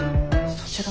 そちらは？